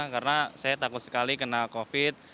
karena saya takut sekali kena covid